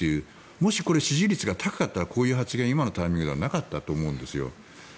もしこれ支持率が高かったらこういう発言今のタイミングではなかったと思うんですよ。